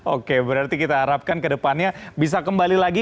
oke berarti kita harapkan ke depannya bisa kembali lagi